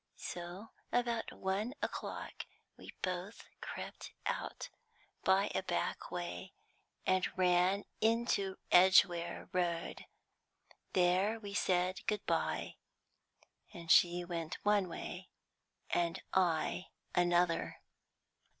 So, about one o'clock, we both crept out by a back way, and ran into Edgware Road. There we said good bye, and she went one way, and I another.